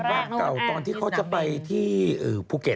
บ้านเก่าตอนที่เขาจะไปที่ภูเก็ต